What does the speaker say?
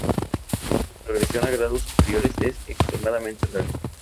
Su progresión a grados superiores es extremadamente rara.